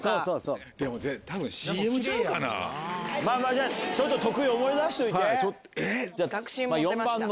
じゃあちょっと徳井思い出しといて。